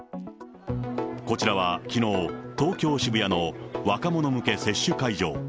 こちらはきのう、東京・渋谷の若者向け接種会場。